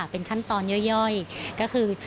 เป็นขั้นตอนเยอะแรกก็คือ